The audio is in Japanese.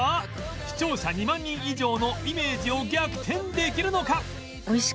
視聴者２万人以上のイメージを逆転できるのか？